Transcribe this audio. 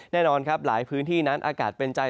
แน่นอนครับหลายพื้นที่นั้นอากาศเป็นใจ